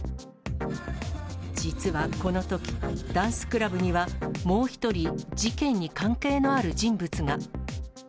実はこのとき、ダンスクラブにはもう１人、事件に関係のある人物が。